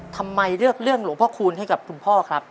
ทำไมเลือกเรื่องหลวงพ่อคูณให้กับคุณพ่อครับ